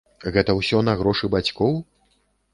Гэта ўсё на грошы бацькоў?